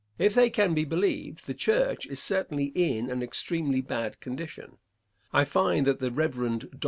If they can be believed, the church is certainly in an extremely bad condition. I find that the Rev. Dr.